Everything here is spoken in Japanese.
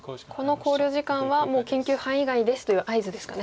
この考慮時間はもう研究範囲外ですという合図ですかね。